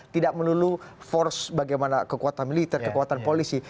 tidak melulu force bagaimana kekuatan militer kekuatan polisi